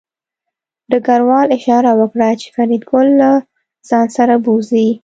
ډګروال اشاره وکړه چې فریدګل له ځان سره بوځي